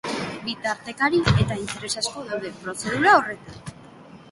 Bitartekari eta interes asko daude prozedura horretan.